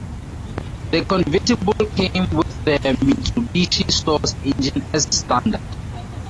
The convertible came with the Mitsubishi-sourced engine as standard.